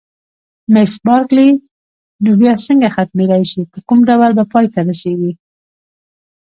مس بارکلي: نو بیا څنګه ختمېدای شي، په کوم ډول به پای ته رسېږي؟